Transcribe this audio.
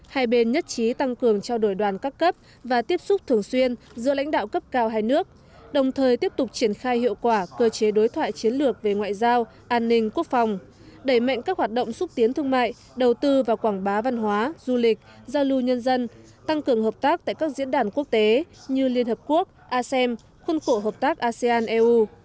hai bên nhất trí tăng cường trao đổi đoàn các cấp và tiếp xúc thường xuyên giữa lãnh đạo cấp cao hai nước đồng thời tiếp tục triển khai hiệu quả cơ chế đối thoại chiến lược về ngoại giao an ninh quốc phòng đẩy mạnh các hoạt động xúc tiến thương mại đầu tư và quảng bá văn hóa du lịch giao lưu nhân dân tăng cường hợp tác tại các diễn đàn quốc tế như liên hợp quốc asem khuôn cổ hợp tác asean eu